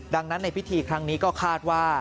ดังนั้นในพิธีครั้งนี้ก็คาดว่า